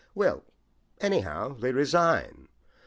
"Well, anyhow, they resign.